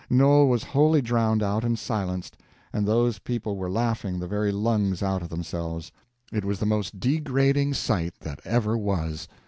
Noel was wholly drowned out and silenced, and those people were laughing the very lungs out of themselves. It was the most degrading sight that ever was.